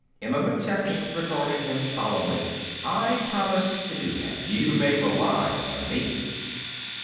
Emma McChesney regarded him solemnly. "I promise to do that. You may rely on me."